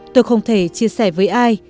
tôi không thể chia sẻ với ai